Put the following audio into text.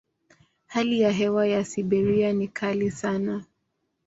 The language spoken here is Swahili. Hali ya hewa ya Siberia ni kali sana.